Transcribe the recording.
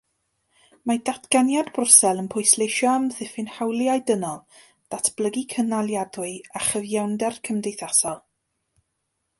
Mae datganiad Brwsel yn pwysleisio amddiffyn hawliau dynol, datblygu cynaliadwy a chyfiawnder cymdeithasol.